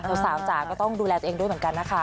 สาวจ๋าก็ต้องดูแลตัวเองด้วยเหมือนกันนะคะ